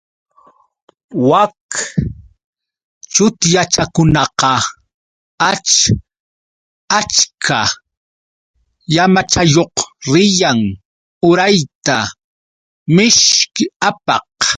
Wak chutchakunaqa ach achka llamachayuq riyan urayta mishki apaq.